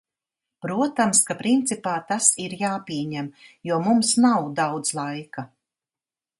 Protams, ka principā tas ir jāpieņem, jo mums nav daudz laika.